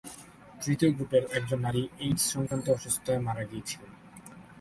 তৃতীয় গ্রুপের একজন নারী এইডস সংক্রান্ত অসুস্থতায় মারা গিয়েছিলেন।